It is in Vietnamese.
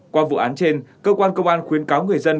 qua vụ án trên cơ quan công an khuyến cáo người dân